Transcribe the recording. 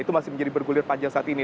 itu masih menjadi bergulir panjang saat ini